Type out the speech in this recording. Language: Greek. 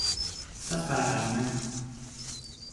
Σας παρακαλούμε